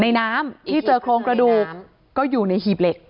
น้ำที่เจอโครงกระดูกก็อยู่ในหีบเหล็ก